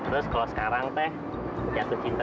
terus kalau sekarang teh jatuh cinta